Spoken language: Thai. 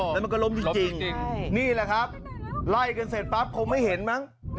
แล้วมันก็ล้มจริงนี่แหละครับไล่กันเสร็จปั๊บคงไม่เห็นมั้ง